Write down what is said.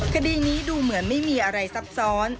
คดีนี้ดูเหมือนไม่มีอะไรซับซ้อน